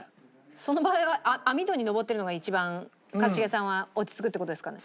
その場合は網戸に上ってるのが一番一茂さんは落ち着くって事ですかね。